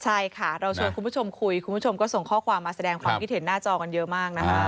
ใช่ค่ะเราชวนคุณผู้ชมคุยคุณผู้ชมก็ส่งข้อความมาแสดงความคิดเห็นหน้าจอกันเยอะมากนะคะ